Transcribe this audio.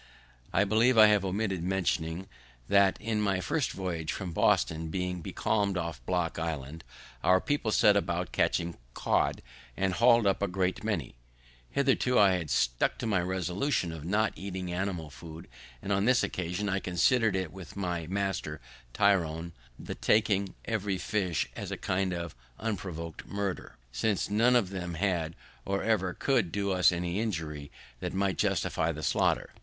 I believe I have omitted mentioning that, in my first voyage from Boston, being becalm'd off Block Island, our people set about catching cod, and hauled up a great many. Hitherto I had stuck to my resolution of not eating animal food, and on this occasion I consider'd, with my master Tryon, the taking every fish as a kind of unprovoked murder, since none of them had, or ever could do us any injury that might justify the slaughter.